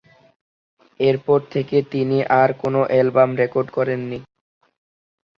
এরপর থেকে তিনি আর কোন অ্যালবাম রেকর্ড করেননি।